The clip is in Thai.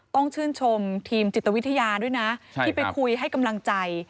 ต้องชื่นชมทีมจิตวิทยาด้วยนะที่ไปคุยให้กำลังใจ